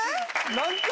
何回？